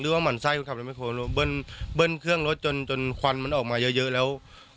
หรือว่ามันใส่คนขับรถแม่โคเบิ้ลเครื่องรถจนควันมันออกมาเยอะแล้ว